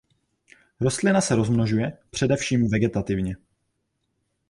Rostlina se rozmnožuje především vegetativně.